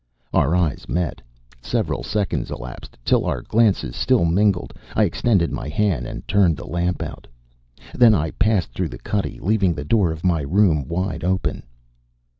Our eyes met; several seconds elapsed, till, our glances still mingled, I extended my hand and turned the lamp out. Then I passed through the cuddy, leaving the door of my room wide open....